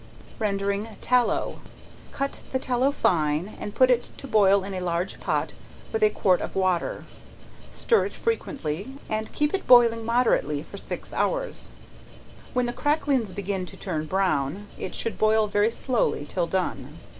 Rendering Tallow. Cut the tallow fine, and put it to boil in a large pot with a quart of water; stir it frequently and keep it boiling moderately for six hours; when the cracklings begin to turn brown, it should boil very slowly till done.